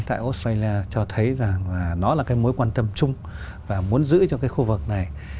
tại australia cho thấy rằng là nó là cái mối quan tâm chung và muốn giữ cho cái khu vực này